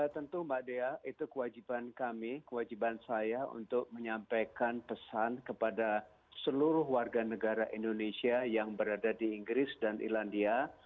tentu mbak dea itu kewajiban kami kewajiban saya untuk menyampaikan pesan kepada seluruh warga negara indonesia yang berada di inggris dan ilandia